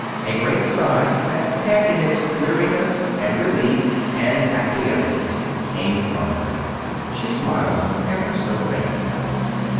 A great sigh that had in it weariness and relief and acquiescence came from her. She smiled ever so faintly.